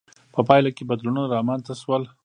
په پایله کې بدلونونه رامنځته شول.